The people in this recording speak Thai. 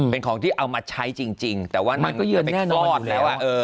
เป็นของที่เอามาใช้จริงแต่ว่ามันก็เหยื่อไปคลอดแล้ว